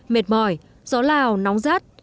mệt mỏi gió lào nóng rát